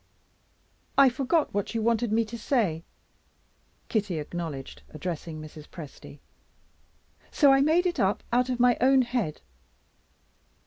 I forgot what you wanted me to say," Kitty acknowledged, addressing Mrs. Presty; "so I made it up out of my own head."